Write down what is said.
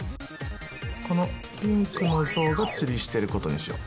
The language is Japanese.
このピンクのゾウが釣りしてることにしよう。